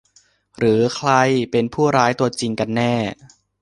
หรือใครเป็นผู้ร้ายตัวจริงกันแน่